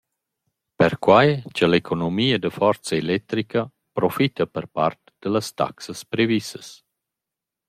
Perquai cha l’economia da forza electrica profita per part da las taxas previssas.